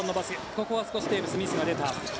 ここはテーブス、ミスが出た。